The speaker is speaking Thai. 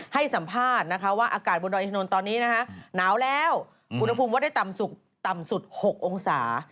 ให้สัมภาษณ์นะคะว่าอากาศบนดอยอินทนนท์ตอนนี้นะคะหนาวแล้วอุณหภูมิว่าได้ต่ำสุดต่ำสุด๖องศา